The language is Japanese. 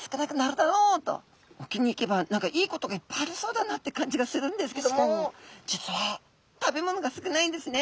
沖に行けば何かいいことがいっぱいありそうだなって感じがするんですけども実は食べ物が少ないんですね。